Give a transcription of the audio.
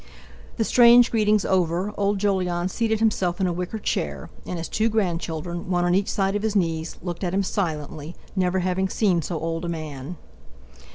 The strange greetings over, old Jolyon seated himself in a wicker chair, and his two grandchildren, one on each side of his knees, looked at him silently, never having seen so old a man.